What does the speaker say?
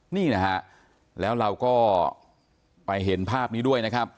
นี่นะฮะแล้วเราก็ไปเห็นภาพนี้ด้วยนะครับ